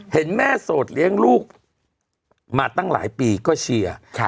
เห็นแม่โสดเลี้ยงลูกมาตั้งหลายปีก็เชียร์